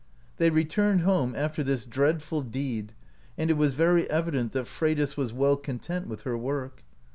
They returned home, after this dreadful deed, and it was very evident that Freydis was well content with her work.